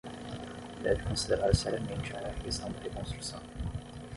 Deve considerar seriamente a questão da reconstrução